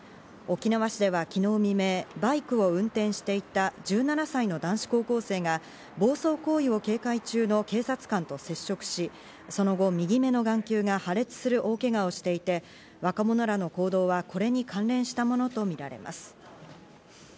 沖縄市では昨日未明、バイクを運転していた１７歳の男子高校生が、暴走行為を警戒中の警察官と接触し、その後、右眼の眼球が破裂する大けがをしていて、若者らの行動はこれに関連したものとみられます。